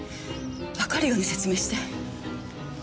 わかるように説明して。